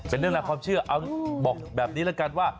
เป็นเรื่องบางอย่างคือความเชื่อ